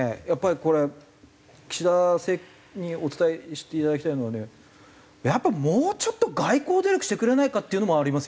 これ岸田さんにお伝えしていただきたいのはねやっぱもうちょっと外交努力してくれないかっていうのもありますよ。